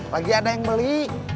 lagi ada yang beli